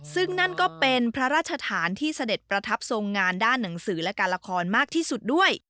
ซึ่งนั่นก็เป็นพระราชฐานที่เสด็จประทับทรงงานด้านหนังสือและการละครมากที่สุดด้วย